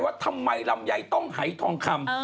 ว่าทำไมลำไยต้องหายทองคำ